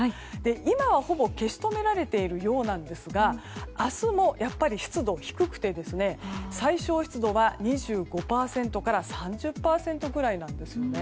今は、ほぼ消し止められているようですが明日もやっぱり湿度は低くて最小湿度は２５％から３０％ぐらいなんです。